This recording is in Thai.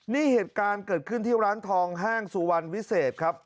นี่เหตุการณ์เกิดขึ้นที่ร้านทองห้างสุวรรณวิเศษครับ